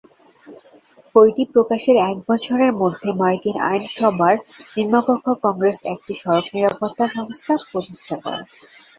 বইটি প্রকাশের এক বছরের মধ্যে মার্কিন আইনসভার নিম্নকক্ষ কংগ্রেস একটি সড়ক নিরাপত্তা সংস্থা প্রতিষ্ঠা করে।